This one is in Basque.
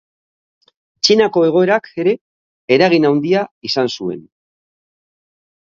Txinako egoerak ere eragin handia izan zuen.